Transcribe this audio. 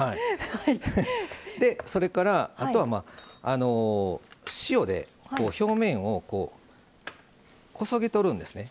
それから、あとは塩で表面をこそげとるんですね。